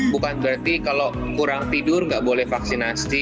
bukan berarti kalau kurang tidur nggak boleh vaksinasi